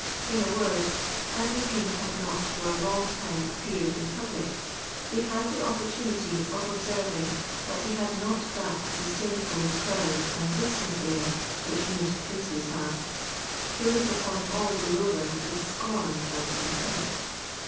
In a word, as the king had not for a long time appeared in public, they had the opportunity of observing that he had not that disdainful, proud, and distant air, which most princes have, who look upon all below them with scorn and contempt.